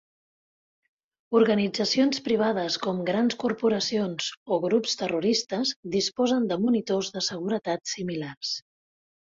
Organitzacions privades com grans corporacions o grups terroristes disposen de monitors de seguretat similars.